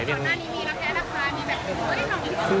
ตอนหน้านี้พี่แล้วแค่นักภาพมีแบบ